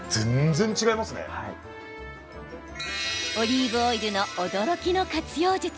オリーブオイルの驚きの活用術。